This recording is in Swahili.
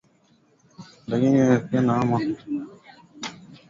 lakini unakuta mazingira ya jamii hayawapi nafasi